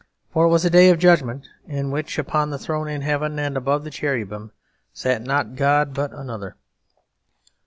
For it was a day of judgment in which upon the throne in heaven and above the cherubim, sat not God, but another.